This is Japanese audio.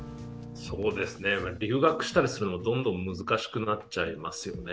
留学したりするの、どんどん難しくなっちゃいますよね。